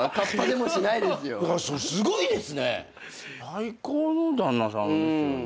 最高の旦那さんですよね。